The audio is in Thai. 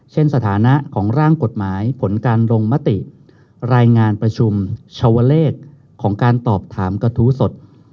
สถานะของร่างกฎหมายผลการลงมติรายงานประชุมชาวเลขของการตอบถามกระทู้สด